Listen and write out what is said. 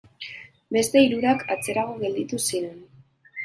Beste hirurak atzerago gelditu ziren.